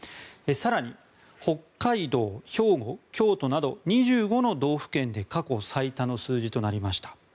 更に、北海道、兵庫、京都など２５の道府県で過去最多の数字となりました。